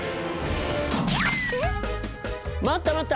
待った待った！